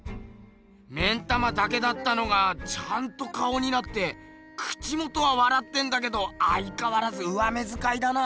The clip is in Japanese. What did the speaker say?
目ん玉だけだったのがちゃんと顔になって口元はわらってんだけどあいかわらず上目づかいだな。